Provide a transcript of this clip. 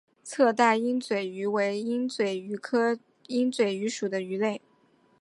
侧带鹦嘴鱼为鹦嘴鱼科鹦嘴鱼属的鱼类。